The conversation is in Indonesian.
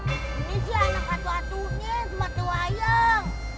ini sih anak atu atunya sama tua ayang